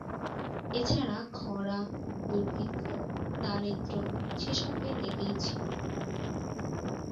এছাড়া খরা, দুর্ভিক্ষ, দারিদ্র সেসময়ে লেগেই ছিল।